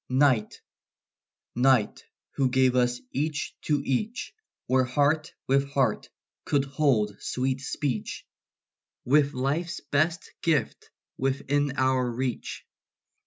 night, who gave us each to each, Where heart with heart could hold sweet speech, With life's best gift within our reach.